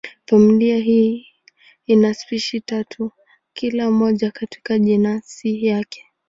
Familia hii ina spishi tatu tu, kila moja katika jenasi yake.